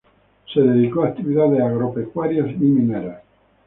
Se dedicó a actividades agropecuarias y mineras.